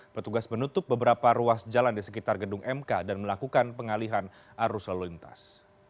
petugas menutup beberapa ruas jalan di sekitar gedung mk dan melakukan pengalihan arus lalu lintas